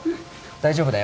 大丈夫だよ